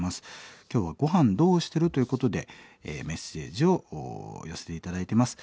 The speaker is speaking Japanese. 今日は「ごはんどうしてる？」ということでメッセージを寄せて頂いてます。